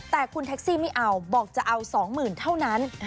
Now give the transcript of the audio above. แต่คุณแท็กซี่ไม่เอาบอกจะเอา๒๐๐๐เท่านั้น